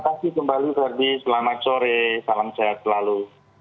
terima kasih kembali ferdi selamat sore salam sehat selalu